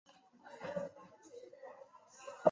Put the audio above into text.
梅迪纳县是美国德克萨斯州西南部的一个县。